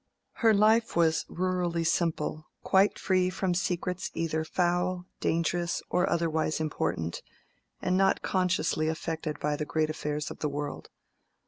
Her life was rurally simple, quite free from secrets either foul, dangerous, or otherwise important, and not consciously affected by the great affairs of the world.